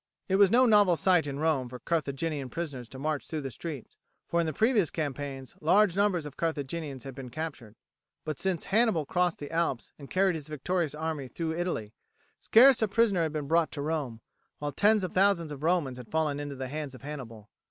It was no novel sight in Rome for Carthaginian prisoners to march through the streets, for in the previous campaigns large numbers of Carthaginians had been captured; but since Hannibal crossed the Alps and carried his victorious army through Italy, scarce a prisoner had been brought to Rome, while tens of thousands of Romans had fallen into the hands of Hannibal.